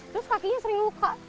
terus kakinya sering luka